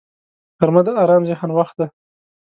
غرمه د آرام ذهن وخت دی